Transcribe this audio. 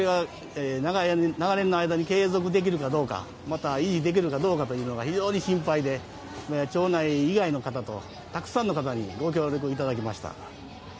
長年の間に継続できるかどうかまた、維持できるかが非常に心配で町内以外の方とたくさんの方にご協力をいただきました。